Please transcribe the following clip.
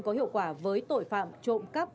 có hiệu quả với tội phạm trộm cắp